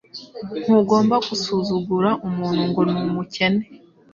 Ntugomba gusuzugura umuntu ngo ni umukene.